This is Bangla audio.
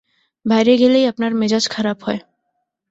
বাইরে গেলেই আপনার মেজাজ খারাপ হয়।